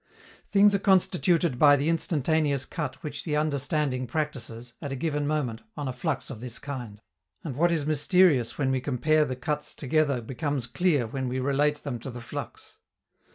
Things are constituted by the instantaneous cut which the understanding practices, at a given moment, on a flux of this kind, and what is mysterious when we compare the cuts together becomes clear when we relate them to the flux.